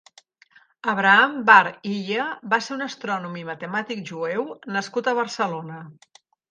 Abraham Bar Hiyya va ser un astrònom i matemàtic jueu nascut a Barcelona.